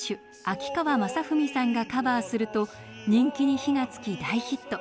秋川雅史さんがカバーすると人気に火がつき大ヒット。